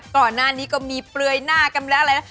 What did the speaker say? ก่อนหน้านี้ก็มีเปลือยหน้ากันแล้วอะไรนะ